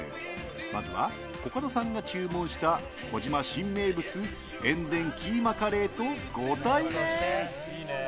まずは、コカドさんが注文した児島新名物塩田キーマカレーとご対面。